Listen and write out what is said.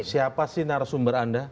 siapa sinar sumber anda